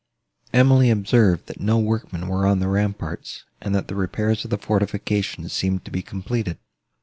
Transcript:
Emily observed, that no workmen were on the ramparts, and that the repairs of the fortifications seemed to be completed.